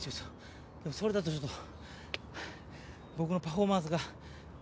でもそれだとちょっと僕のパフォーマンスが。